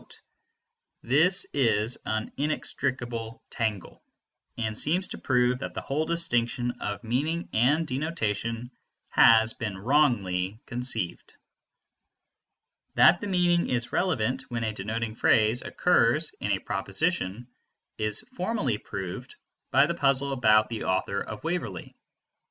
This is an inextricable tangle, and seems to prove that the whole distinction between meaning and denotation has been wrongly conceived. That the meaning is relevant when a denoting phrase occurs in a proposition is formally proved by the puzzle about the author of Waverley.